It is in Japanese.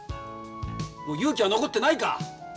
もう勇気は残ってないか？